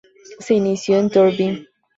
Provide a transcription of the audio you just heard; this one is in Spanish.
Se inició en "Turbine".